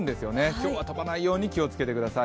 今日は飛ばないように気をつけてください。